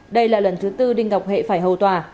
đây là lần thứ tư đinh ngọc hệ phải hầu tòa